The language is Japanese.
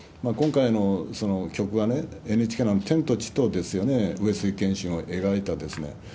今回の曲がね、ＮＨＫの天と地とですよね、上杉謙信を描いたですね。